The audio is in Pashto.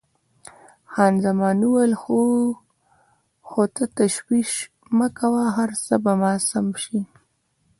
خان زمان وویل: هو، خو ته تشویش مه کوه، هر څه به سم شي.